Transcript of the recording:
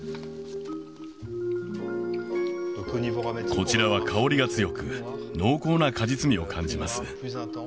こちらは香りが強く濃厚な果実味を感じます